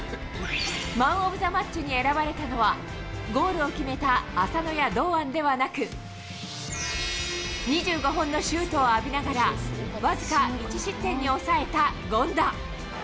マンオブザマッチに選ばれたのは、ゴールを決めた浅野や堂安ではなく、２５本のシュートを浴びながら、僅か１失点に抑えた権田。